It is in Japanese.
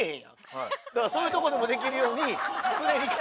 だからそういうとこでもできるように。